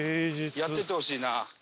やっててほしいな。